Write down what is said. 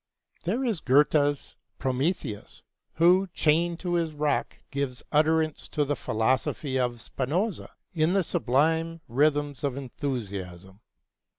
There is Goethe's Prometheus, who, chained to his rock, gives utterance to the philosophy of Spinoza in the sublime rhythms of enthusiasm.